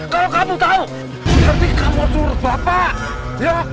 kalau kamu tahu nanti kamu suruh bapak